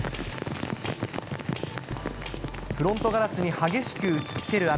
フロントガラスに激しく打ちつける雨。